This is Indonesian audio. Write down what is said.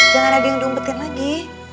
jangan ada yang diumpetin lagi